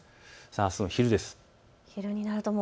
あすの昼です。